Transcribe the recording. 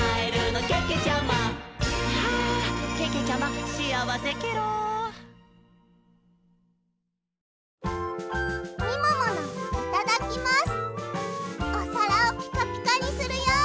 いただきます！